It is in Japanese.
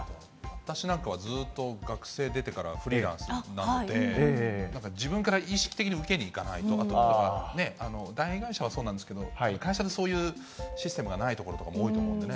私なんかは、ずっと学生出てからフリーランスなので、なんか、自分から意識的に受けに行かないと、あと、大会社はそうなんですけど、会社でそういうシステムがない所とかも多いと思うんですよね。